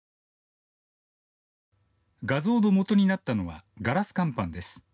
画像のもとになったのはガラス乾板です。